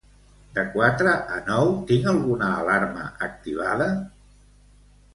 De quatre a nou tinc alguna alarma activada?